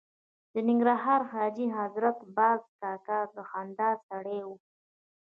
د ننګرهار حاجي حضرت باز کاکا د خندا سړی و.